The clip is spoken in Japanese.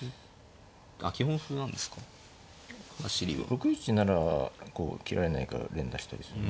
６一ならこう切られないから連打したりするね。